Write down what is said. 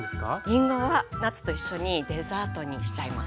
りんごはナッツと一緒にデザートにしちゃいます。